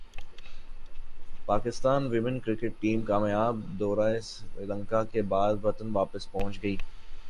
Pakistan women cricket team کامیاب دورہ سری لنکا کے بعد وطن واپس پہنچ گئی